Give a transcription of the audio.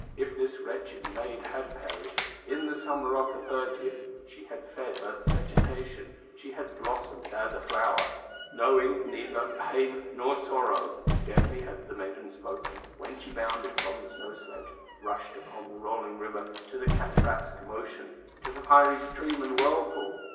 If this wretched maid had perished, In the summer of the third year, She had fed earth's vegetation, She had blossomed as a flower, Knowing neither pain nor sorrow." Scarcely had the maiden spoken, When she bounded from the snow sledge, Rushed upon the rolling river, To the cataract's commotion, To the fiery stream and whirlpool.